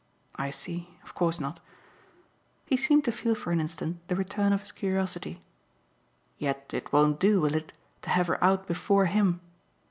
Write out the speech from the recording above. "I see of course not." He seemed to feel for an instant the return of his curiosity. "Yet it won't do, will it? to have her out before HIM?